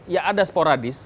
ya ada sporadis